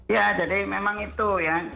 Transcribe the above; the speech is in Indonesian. ya jadi memang itu ya